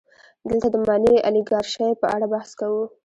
دلته د مالي الیګارشۍ په اړه بحث کوو